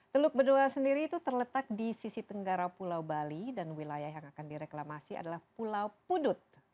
teluk bedoa sendiri itu terletak di sisi tenggara pulau bali dan wilayah yang akan direklamasi adalah pulau pudut